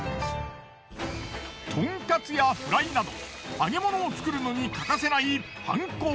とんかつやフライなど揚げ物を作るのに欠かせない。